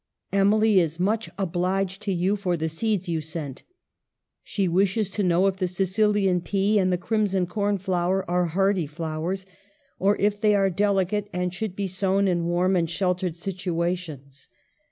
Emily is much obliged to you for the seeds you sent. She wishes to know if the Sicilian pea and the crimson cornflower are hardy flowers, or if they are delicate and should be sown in warm and sheltered situations.